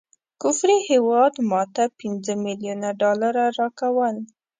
کفري هیواد ماته پنځه ملیونه ډالره راکول.